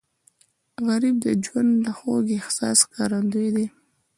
غریب د ژوند د خوږ احساس ښکارندوی دی